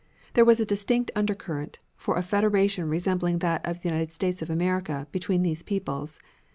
There was a distinct undercurrent, for a federation resembling that of the United States of America between these peoples.